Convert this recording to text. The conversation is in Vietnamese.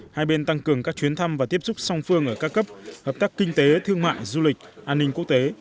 hai bên tăng cường các chuyến thăm và tiếp xúc song phương ở các cấp hợp tác kinh tế thương mại du lịch an ninh quốc tế